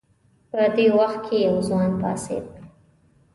په دې وخت کې یو ځوان پاڅېد.